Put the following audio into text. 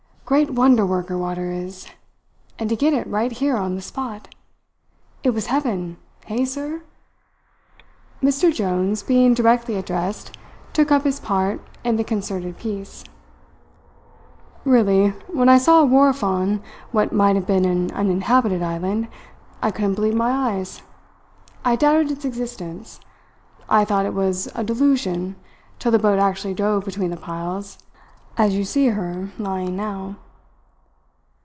Great wonder worker water is! And to get it right here on the spot! It was heaven hey, sir?" Mr Jones, being directly addressed, took up his part in the concerted piece: "Really, when I saw a wharf on what might have been an uninhabited island, I couldn't believe my eyes. I doubted its existence. I thought it was a delusion till the boat actually drove between the piles, as you see her lying now."